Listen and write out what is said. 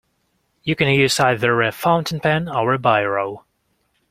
You can use either a fountain pen or a biro